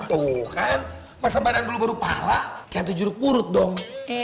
tuh kan masa badan dulu baru pala ganti juruk purut dong